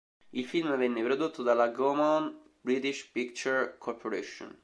Il film venne prodotto dalla Gaumont British Picture Corporation.